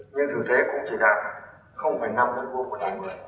nhưng thực tế cũng chỉ đạt năm m hai một người